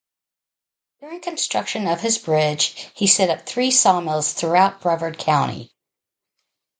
During construction of his bridge he set up three sawmills throughout Brevard County.